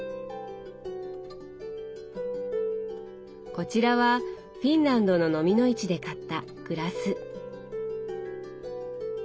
こちらはフィンランドの蚤の市で買ったグラス。